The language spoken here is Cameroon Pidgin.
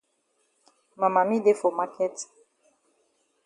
Ma mami dey for maket.